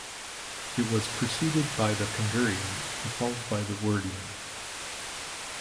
It was preceded by the Kungurian and followed by the Wordian.